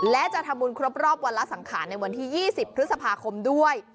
และจะทำบุญครบรอบวันละสังขารในวันที่๒๐พฤษภาคมด้วย